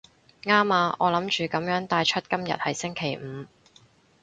啱啊，我諗住噉樣帶出今日係星期五